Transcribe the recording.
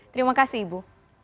terima kasih ibu